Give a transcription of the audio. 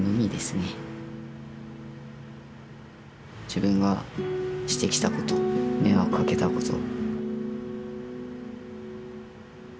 自分がしてきたこと迷惑かけたこと。